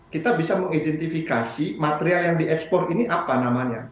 kita bisa mengidentifikasi material yang diekspor ini apa namanya